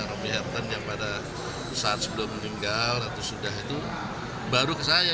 tommy herten yang pada saat sebelum meninggal itu baru ke saya